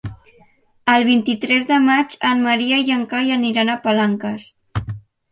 El vint-i-tres de maig en Maria i en Cai aniran a Palanques.